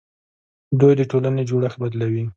دوی د ټولنې جوړښت بدلوي.